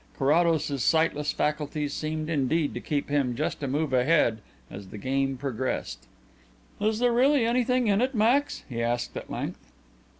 Carrados's sightless faculties seemed indeed to keep him just a move ahead as the game progressed. "Is there really anything in it, Max?" he asked at length.